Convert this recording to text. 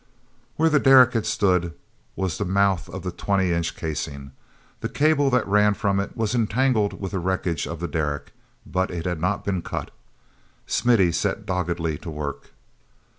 Where the derrick had stood was the mouth of the twenty inch casing. The cable that ran from it was entangled with the wreckage of the derrick, but it had not been cut. Smithy set doggedly to work.